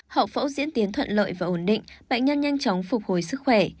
hậu phẫu diễn tiến thuận lợi và ổn định bệnh nhân nhanh chóng phục hồi sức khỏe